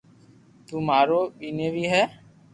تو مارو ٻينيوي ھي